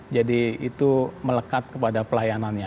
jadi itu melekat kepada pelayanannya